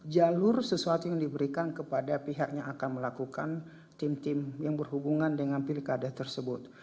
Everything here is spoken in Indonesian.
jalur sesuatu yang diberikan kepada pihak yang akan melakukan tim tim yang berhubungan dengan pilkada tersebut